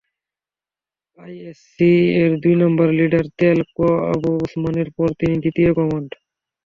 ISC এর দুই number leader, তেল ক আবু উসমানের পর তিনি দ্বিতীয় কমান্ড।